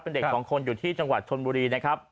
เป็นเด็กสองคนอยู่ที่จังหวัดชนบุรีนะครับ